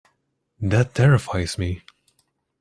That terrifies me.